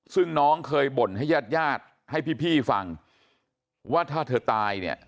ซึ่งน้องเคยบ่นให้ญาติญาติให้พี่ฟังว่าถ้าเธอตายเนี่ย